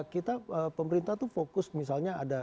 kita pemerintah itu fokus misalnya ada